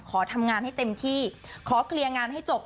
ขอทำงานให้เต็มที่ขอเคลียร์งานให้จบ